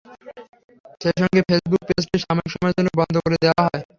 সেই সঙ্গে ফেসবুক পেজটি সাময়িক সময়ের জন্য বন্ধ করে দেওয়া হয়।